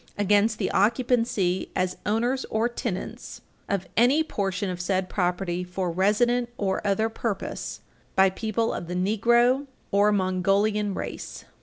. against the occupancy as owners or tenants of any portion of said property for resident or other purpose by people of the Negro or Mongolian Race."